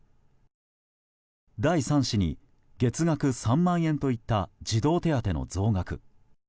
第３子に月額３万円といった児童手当の増額。